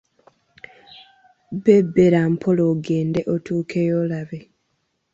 Bebbera mpola ogenda otuukeyo olabe.